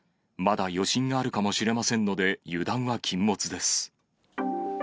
まだ余震があるかもしれませんので、油断は禁物です！